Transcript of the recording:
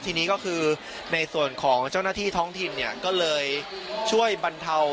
ทีนี้ก็คือในส่วนของเจ้าหน้าที่ท้องถิ่นเนี่ยก็เลยช่วยบรรเทา